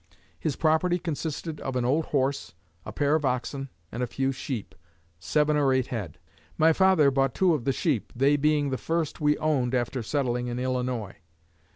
His property consisted of an old horse, a pair of oxen and a few sheep seven or eight head. My father bought two of the sheep, they being the first we owned after settling in Illinois.